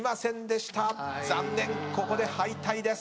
残念ここで敗退です。